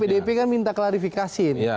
pdip kan minta klarifikasi